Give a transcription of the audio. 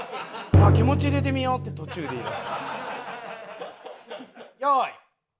「あっ気持ち入れてみよう」って途中で言いだして。